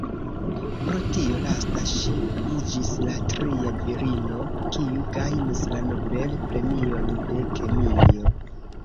Pro tio lasta ŝi iĝis la tria virino kiu gajnis la Nobel-premion de kemio.